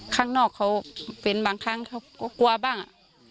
ข้างนอกเขาเป็นบางครั้งเขาก็กลัวบ้าง